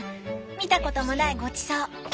見たこともないごちそう。